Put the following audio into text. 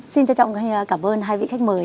xin trân trọng cảm ơn hai vị khách mời